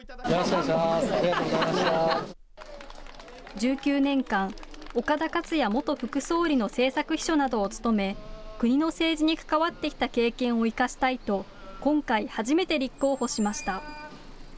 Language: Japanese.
１９年間、岡田克也元副総理の政策秘書などを務め国の政治に関わってきた経験を生かしたいと、今回初めて立候補しました。